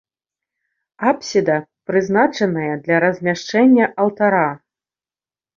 Апсіда прызначаная для размяшчэння алтара.